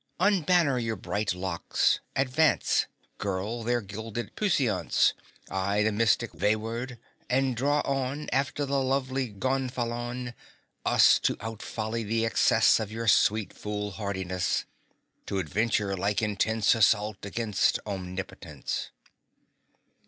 Unbanner your bright locks, advance, Girl, their gilded puissance, I' the mystic vaward, and draw on After the lovely gonfalon Us to out folly the excess Of your sweet foolhardiness; To adventure like intense Assault against Omnipotence!